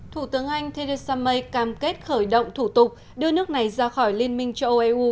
thủ tướng anh thedisame cam kết khởi động thủ tục đưa nước này ra khỏi liên minh cho oeu